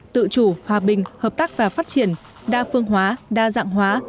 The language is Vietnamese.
tự chủ hòa bình hợp tác và phát triển đa phương hóa đa dạng hóa